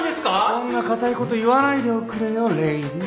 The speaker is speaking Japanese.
・そんな堅いこと言わないでおくれよレディー。